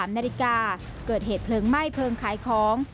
นาฬิกาเกิดเหตุเพลิงไหม้เพลิงขายของ